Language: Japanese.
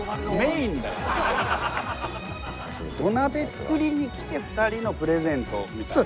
土鍋作りに来て２人のプレゼントみたいな。